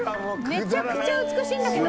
「めちゃくちゃ美しいんだけど」